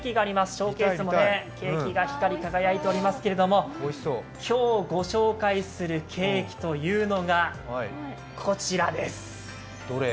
ショーケースにはケーキが光り輝いておりますけれども今日ご紹介するケーキというのがこちらです。